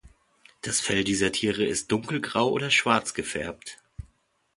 Das Fell dieser Tiere ist dunkelgrau oder schwarz gefärbt.